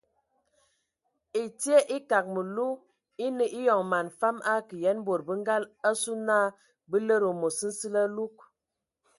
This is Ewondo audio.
Ɛtie ekag məlu eine eyɔŋ man fam akə yen bod bə ngal asu na bə lede amos nsili alug.